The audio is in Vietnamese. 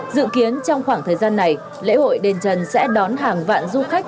dự kiến trong khoảng thời gian này lễ hội đền trần sẽ đón hàng vạn du khách